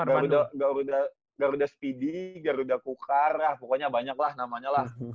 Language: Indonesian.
garuda garuda garuda speedy garuda kukar ya pokoknya banyak lah namanya lah